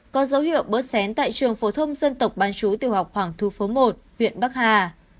có dấu hiệu bớt xén tại trường phổ thông dân tộc bán chú tiểu học hoàng thu phố một huyện bắc hà